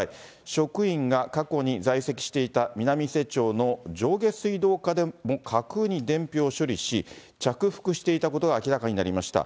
職員が過去に在籍していた南伊勢町の上下水道課でも架空に伝票を処理し、着服していたことが明らかになりました。